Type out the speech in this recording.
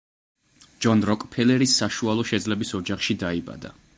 ჯონ როკფელერი საშუალო შეძლების ოჯახში დაიბადა.